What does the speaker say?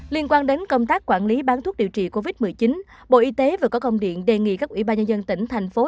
liên quan đến công tác quản lý bán thuốc điều trị covid một mươi chín bộ y tế vừa có công điện đề nghị các ủy ban nhân dân tỉnh